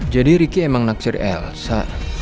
jadi riki emang naksir elsa